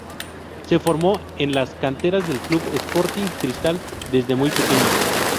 Se formó en las canteras del club Sporting Cristal desde muy pequeño.